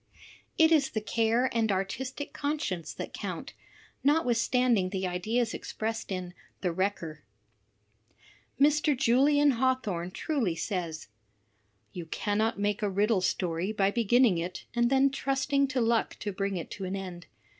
\' ^It is the care and artistic conscience that count, notwith standing the ideas expressed in The Wrecker." Mr. Julian Hawthorne truly says, "You cannot make a riddle story by beginning it and then trusting to luck to bring it to an end.